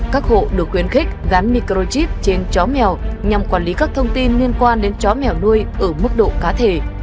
các hộ được khuyến khích gắn microchip trên chó mèo nhằm quản lý các thông tin liên quan đến chó mèo nuôi ở mức độ cá thể